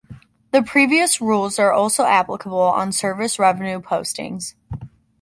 The previous rules are also applicable on service revenue postings.